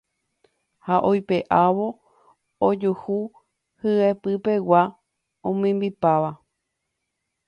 Ha oipe'ávo ojuhu hyepypegua omimbipáva.